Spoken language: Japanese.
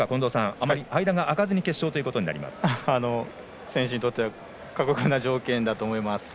あまり間が空かずに選手にとっては過酷な条件だと思います。